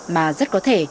mà rất có thể